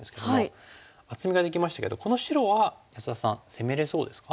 厚みができましたけどこの白は安田さん攻めれそうですか？